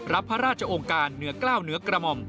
พระราชองค์การเหนือกล้าวเหนือกระหม่อม